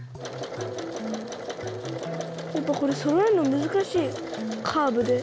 やっぱこれそろえるの難しいカーブで。